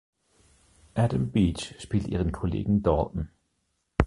Adam Beach spielt ihren Kollegen Dalton.